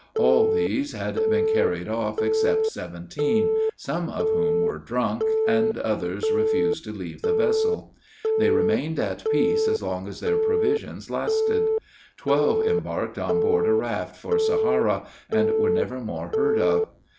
All these had been carried off except seventeen, some of whom were drunk, and others refused to leave the vessel. They remained at peace as long as their provisions lasted. Twelve embarked on board a raft, for Sahara, and were never more heard of.